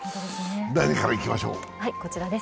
何からいきましょう。